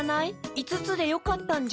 いつつでよかったんじゃ。